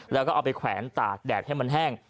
แล้วก็เอาไปแขวนตากแดดให้มันแห้ง